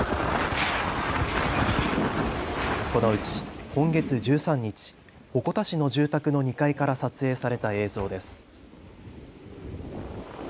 このうち今月１３日、鉾田市の住宅の２階から撮影された映像です。